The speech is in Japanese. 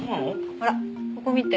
ほらここ見て。